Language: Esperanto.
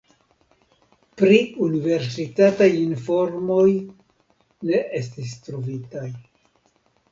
Pri universitatoj informoj ne estis trovitaj.